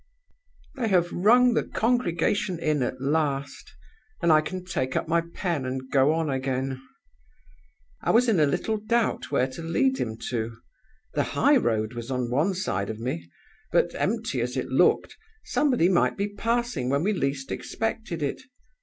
"They have rung the congregation in at last; and I can take up my pen, and go on again. "I was a little in doubt where to lead him to. The high road was on one side of me; but, empty as it looked, somebody might be passing when we least expected it.